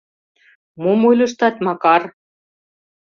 Мом ойлыштат, Макар?!.